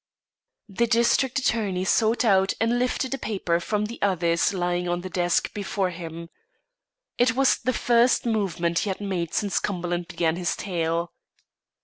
The district attorney sought out and lifted a paper from the others lying on the desk before him. It was the first movement he had made since Cumberland began his tale.